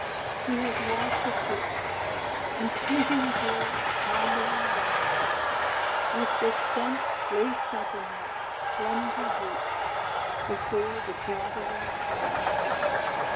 he has lost a foot; And see him go hobbling along, With the stump laced up in that clumsy boot, Before the gathering throng!